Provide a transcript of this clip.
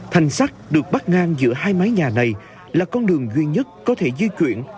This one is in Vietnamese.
thành sát được bắt ngang giữa hai mái nhà này là con đường duy nhất có thể dư chuyển